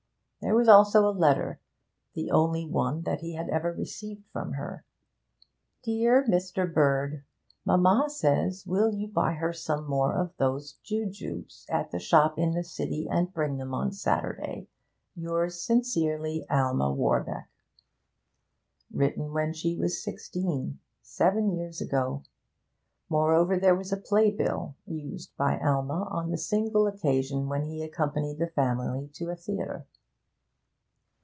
There was also a letter, the only one that he had ever received from her 'Dear Mr. Bird, Mamma says will you buy her some more of those jewjewbs at the shop in the city, and bring them on Sunday. Yours sincerely, Alma Warbeck' written when she was sixteen, seven years ago. Moreover, there was a playbill, used by Alma on the single occasion when he accompanied the family to a theatre.